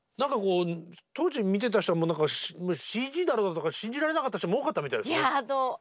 当時見てた人はＣＧだろうとか信じられなかった人も多かったみたいですね。